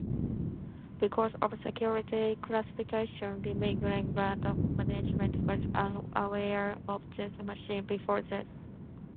Because of security classification, Remington Rand management was unaware of this machine before this.